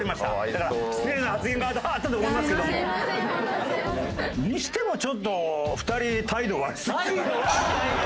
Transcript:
だから失礼な発言が多々あったと思いますけど。にしてもちょっと２人態度悪すぎてたよ。